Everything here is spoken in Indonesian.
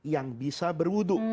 yang bisa berwudhu